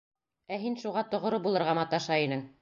Ә һин шуға тоғро булырға маташа инең.